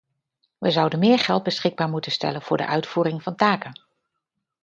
We zouden meer geld beschikbaar moeten stellen voor de uitvoering van taken.